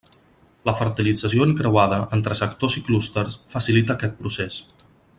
La fertilització encreuada entre sectors i clústers facilita aquest procés.